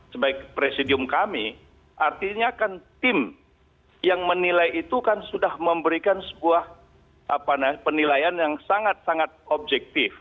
sebagai presidium kami artinya kan tim yang menilai itu kan sudah memberikan sebuah penilaian yang sangat sangat objektif